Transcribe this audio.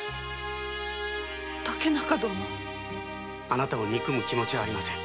あなたを憎む気持ちはありません。